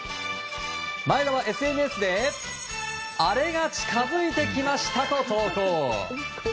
前田はＳＮＳでアレが近づいてきましたと投稿。